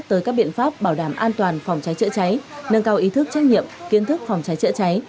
tới các biện pháp bảo đảm an toàn phòng cháy chữa cháy nâng cao ý thức trách nhiệm kiến thức phòng cháy chữa cháy